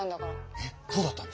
えっ⁉そうだったの？